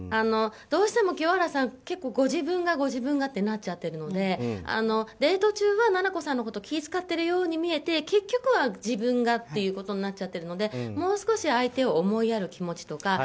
どうしても清原さん結構ご自分がご自分がってなっちゃってるのでデート中はななこさんのことを気を使ってるように見えて結局は自分がということになっちゃってるのでもう少し相手を思いやる気持ちとか